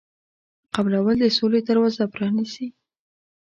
قبلول د سولې دروازه پرانیزي.